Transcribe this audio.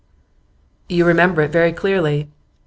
'You remember it very clearly.